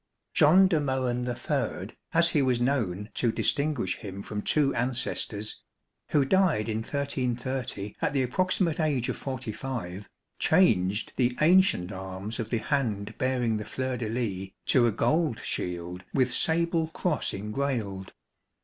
John de Mohun the third, as he was known to distinguish him from two ancestors, who died in 1330 at the approximate age of forty five, changed the ancient arms of the hand bearing the fleur de lys to a gold shield with sable cross engrailed.